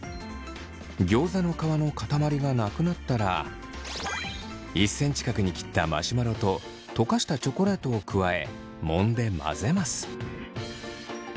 ギョーザの皮の塊がなくなったら１センチ角に切ったマシュマロと溶かしたチョコレートを加えもんで混ぜます。